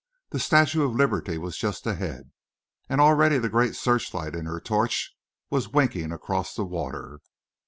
The Statue of Liberty was just ahead, and already the great search light in her torch was winking across the water.